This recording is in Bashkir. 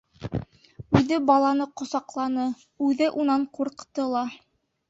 Үҙе баланы ҡосаҡланы, үҙе унан ҡурҡты ла.